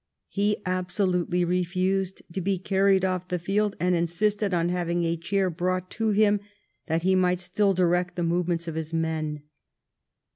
He absolutely refused to be carried ofi^ the field, and insisted on having a chair brought to him that he miglit still direct the movements of his men.